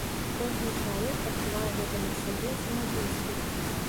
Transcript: Кожны чалавек адчувае гэта на сабе ці на блізкіх.